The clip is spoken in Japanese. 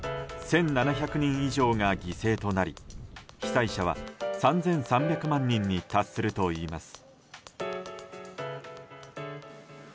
１７００人以上が犠牲となり被災者は３３００万人に達するといいます。